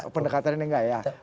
pendekatan ini enggak ya